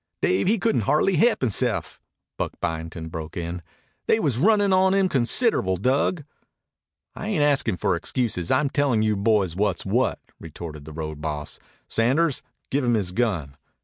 "Dave he couldn't hardly he'p hisse'f," Buck Byington broke in. "They was runnin' on him considerable, Dug." "I ain't askin' for excuses. I'm tellin' you boys what's what," retorted the road boss. "Sanders, give him his gun."